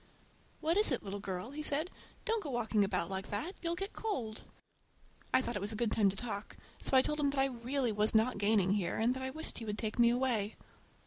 "What is it, little girl?" he said. "Don't go walking about like that—you'll get cold." I thought it was a good time to talk, so I told him that I really was not gaining here, and that I wished he would take me away.